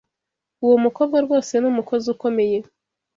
Uwo mukobwa rwose ni umukozi ukomeye.